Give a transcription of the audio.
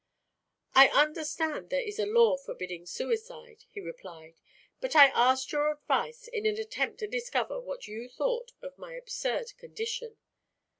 "I understand there is a law forbidding suicide," he replied. "But I asked your advice in an attempt to discover what you thought of my absurd condition.